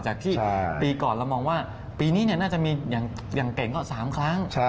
จากที่ปีก่อนเรามองว่าปีนี้น่าจะมีอย่างเก่งก็๓ครั้ง